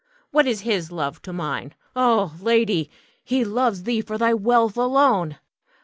What is his love to mine? Ah, lady, he loves thee for thy wealth alone.